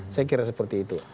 saya kira seperti itu